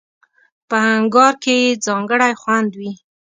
په انگار کې یې ځانګړی خوند وي.